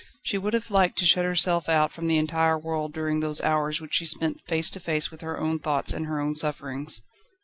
She would have liked to shut herself out from the entire world during those hours which she spent face to face with her own thoughts and her own sufferings.